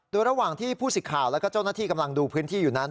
โดยระหว่างที่ผู้สิทธิ์ข่าวแล้วก็เจ้าหน้าที่กำลังดูพื้นที่อยู่นั้น